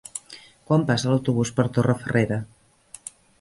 Quan passa l'autobús per Torrefarrera?